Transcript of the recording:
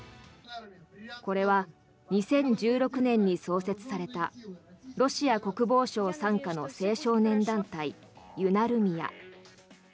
これは２０１６年に創設されたロシア国防省傘下の青少年団体ユナルミヤ。